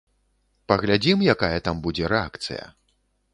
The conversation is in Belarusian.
Паглядзім, якая там будзе рэакцыя.